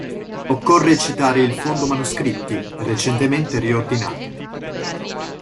Occorre citare il “"Fondo Manoscritti"” recentemente riordinato.